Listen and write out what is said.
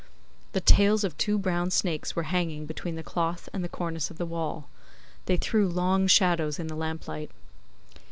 The tails of two brown snakes were hanging between the cloth and the cornice of the wall. They threw long shadows in the lamplight.